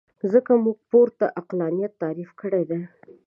ځکه موږ پورته عقلانیت تعریف کړی دی.